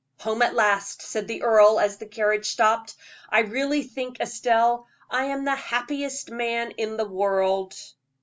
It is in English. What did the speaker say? "Home at last," said the earl, as the carriage stopped. "I really think, Estelle, I am the happiest man in the world."